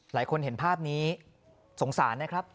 เห็นภาพนี้สงสารนะครับ